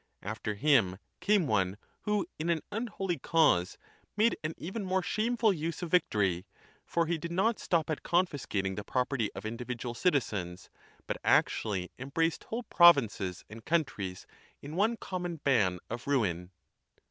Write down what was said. After him came one who, in an unholy cause, made an even more shameful use of victory; for he did not stop at confiscating the property of individual citizens, but actually embraced whole provinces and countries in one common ban of ruin.